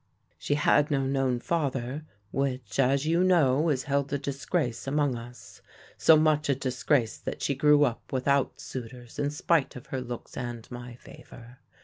"'She had no known father, which (as you know) is held a disgrace among us; so much a disgrace that she grew up without suitors in spite of her looks and my favour.